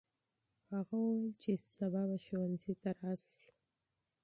هغه وویل چې سبا به ښوونځي ته راسې.